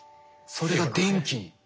それが電気に。